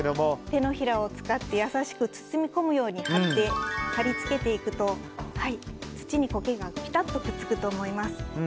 手のひらを使って優しく包み込むように貼り付けていくと、土に苔がピタッとくっつくと思います。